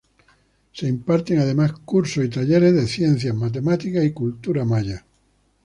Se imparten además, cursos y talleres de ciencia, matemáticas y cultura maya.